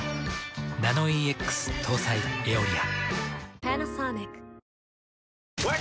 ナノイーＸ搭載「エオリア」。